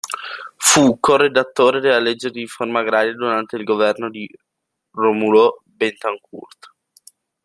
Fu co-redattore della legge di riforma agraria durante il governo di Rómulo Betancourt.